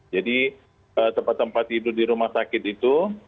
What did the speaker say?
jadi tempat tempat tidur di rumah sakit itu